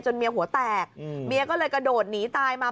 เมียหัวแตกเมียก็เลยกระโดดหนีตายมา